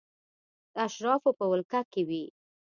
د اشرافو په ولکه کې وې.